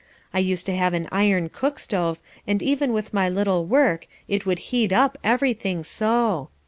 I used to have an iron cook stove, and even with my little work it would heat up everything so.